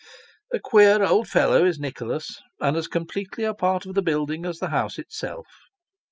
A queer old fellow is Nicholas, and as completely a part of the building as the house itself.